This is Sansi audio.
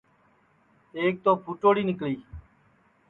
ایک تو پُھٹوڑی نکݪی